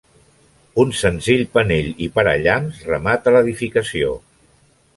Un senzill penell i parallamps remata l'edificació.